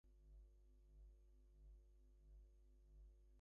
They have anti-air and anti-surface capabilities.